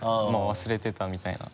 忘れてたみたいな。